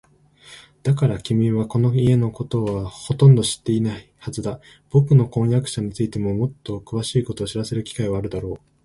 だから、君はこの家のことはほとんど知っていないはずだ。ぼくの婚約者についてもっとくわしいことを知らせる機会はあるだろう。